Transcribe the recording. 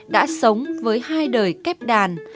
đã sống với hai đời kép đàn